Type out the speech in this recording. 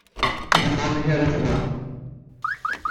Ad d-afeɣ amek ara tt-geɣ.